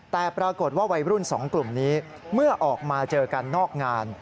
แต่ปรากฏว่าวัยรุ่น๒กลุ่มนี้เมื่อออกมาเจอกันนอกงาน